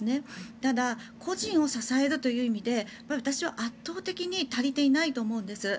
ただ、個人を支えるという意味で私は圧倒的に足りていないと思うんです。